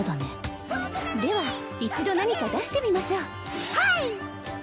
では一度何か出してみましょうはい！